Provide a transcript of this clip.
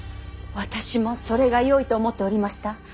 私もそれがよいと思っておりました。